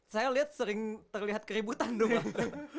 saya lihat sering terlihat keributan dong pak